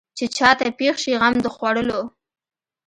چې چا ته پېښ شي غم د خوړلو.